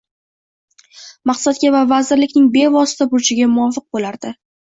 maqsadga va vazirliklikning bevosita burchiga muvofiq bo‘lardi.